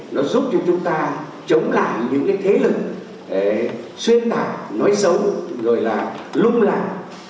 nó giúp cho chúng ta chống lại những cái thế lực xuyên tạc nói xấu rồi là lung lạc